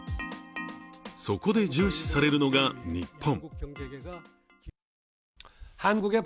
そこで重視されるのが、日本。